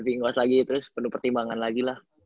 pingkos lagi terus penuh pertimbangan lagi lah